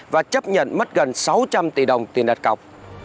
và chấp nhận mất gần sáu trăm linh tỷ đồng tiền đặt cọc